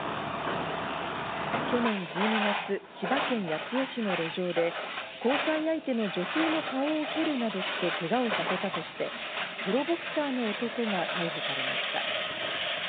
去年１２月、千葉県八千代市の路上で、交際相手の女性の顔を蹴るなどしてけがをさせたとして、プロボクサーの男が逮捕されました。